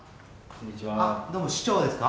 どうも市長ですか？